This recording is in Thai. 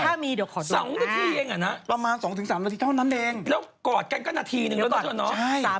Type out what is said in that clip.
ถ้ามีเดี๋ยวขอดูนะประมาณ๒๓นาทีเท่านั้นเองแล้วกอดกันก็นาทีหนึ่งแล้วก็จนเนอะ